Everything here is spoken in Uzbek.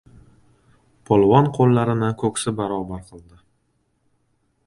Polvon qo‘llarini ko‘ksi barobar qildi.